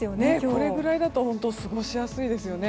これぐらいだと本当に過ごしやすいですよね。